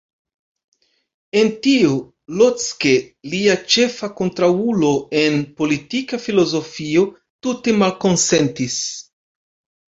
En tio, Locke, lia ĉefa kontraŭulo en politika filozofio, tute malkonsentis.